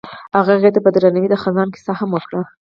هغه هغې ته په درناوي د خزان کیسه هم وکړه.